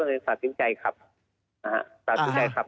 ตื่นเต้นไหมครับตอนขึ้นไปขับ